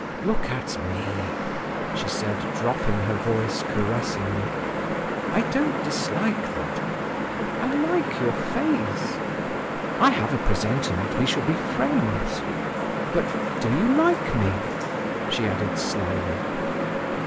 "Look at me," she said, dropping her voice caressingly: "I don't dislike that … I like your face; I have a presentiment we shall be friends. But do you like me?" she added slyly.